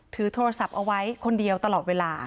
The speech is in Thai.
ถือโทรศัพท์เอาไว้คนเดียวตลอดเวลา